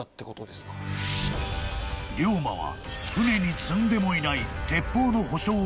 ［龍馬は］